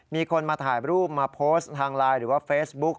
มีคนมาถ่ายรูปมาโพสต์ทางไลน์หรือว่าเฟซบุ๊ก